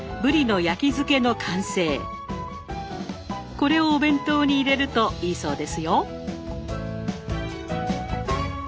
これをお弁当に入れるといいそうですよ。